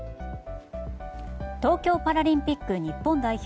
東京パラリンピック日本代表